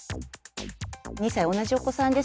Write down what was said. ２歳同じお子さんですけれども。